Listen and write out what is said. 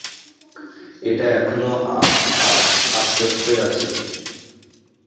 এটা এখনও আস্তই আছে!